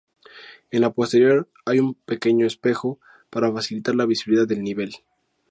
En la posterior hay un pequeño espejo para facilitar la visibilidad del nivel.